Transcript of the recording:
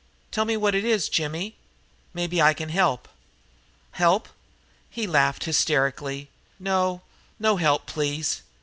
"Tell me what it is, Jimmy. Maybe I can help." "Help?" He laughed hysterically. "No, no help please.